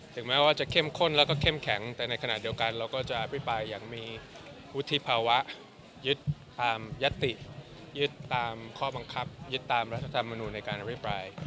แม้ว่าจะเข้มข้นแล้วก็เข้มแข็งแต่ในขณะเดียวกันเราก็จะอภิปรายอย่างมีวุฒิภาวะยึดตามยติยึดตามข้อบังคับยึดตามรัฐธรรมนุนในการอภิปราย